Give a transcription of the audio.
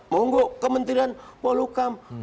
monggo kementerian polukam